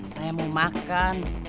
saya mau makan